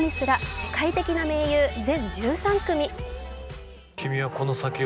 世界的な名優、全１３組。